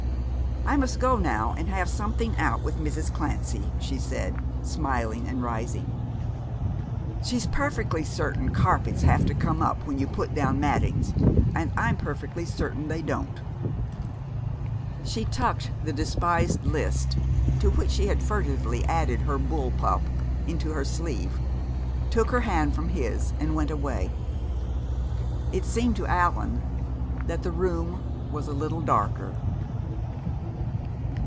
"I must go now and have something out with Mrs. Clancy," she said, smiling and rising. "She's perfectly certain carpets have to come up when you put down mattings, and I'm perfectly certain they don't." She tucked the despised list, to which she had furtively added her bull pup, into her sleeve, took her hand from his and went away. It seemed to Allan that the room was a little darker.